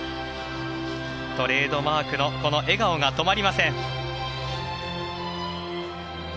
トレードマークのこの笑顔が止まりません。